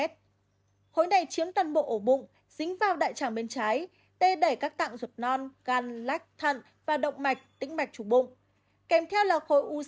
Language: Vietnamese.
khối này chiếm toàn bộ ổ bụng dính vào đại tràng bên trái để đẩy các tạng ruột non gan lách thận và động mạch tính mạch trùng bụng kèm theo là khối u sơ to ở tử cung